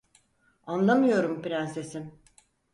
Anlamıyorum prensesim…